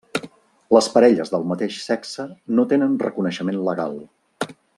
Les parelles del mateix sexe no tenen reconeixement legal.